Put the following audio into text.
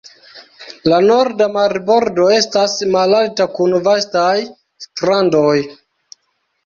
La norda marbordo estas malalta, kun vastaj strandoj.